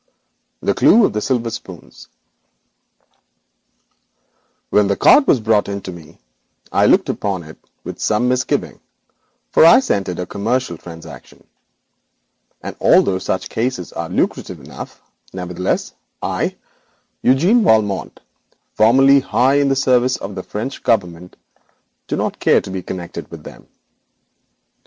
The Clue of the Silver Spoons When the card was brought in to me, I looked upon it with some misgiving, for I scented a commercial transaction, and, although such cases are lucrative enough, nevertheless I, Eugène Valmont, formerly high in the service of the French Government, do not care to be connected with them.